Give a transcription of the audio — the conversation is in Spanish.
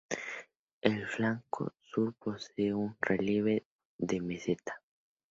El flanco sur posee un relieve de meseta.